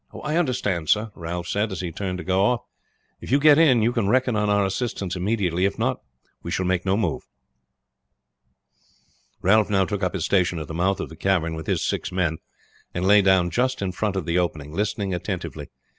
"I understand, sir," Ralph said as he turned to go off. "If you get in you can reckon on our assistance immediately; if not, we shall make no move." Ralph now took up his station at the mouth of the cavern with his six men, and lay down just in front of the opening listening attentively.